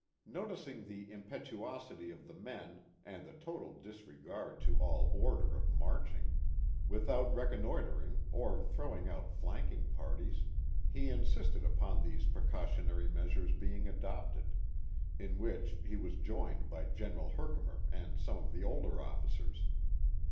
Noticing the impetuosity of the men and the total disregard to all order of marching, without reconnoitering or throwing out flanking parties, he insisted upon these precautionary measures being adopted, in which he was joined by General Herkimer and some of the older officers.